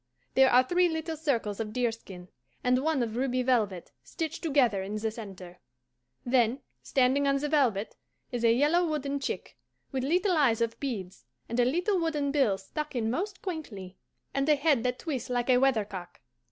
There are three little circles of deerskin and one of ruby velvet, stitched together in the centre. Then, standing on the velvet is a yellow wooden chick, with little eyes of beads, and a little wooden bill stuck in most quaintly, and a head that twists like a weathercock.